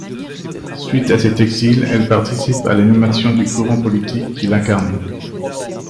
Suite à cet exil, elle participe à l'animation du courant politique qu'il incarnait.